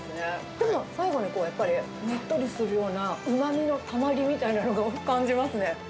でも最後にやっぱり、ねっとりするようなうまみのたまりみたいなものを感じますね。